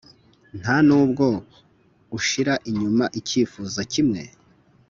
ntanubwo ushira inyuma icyifuzo kimwe?